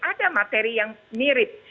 ada materi yang mirip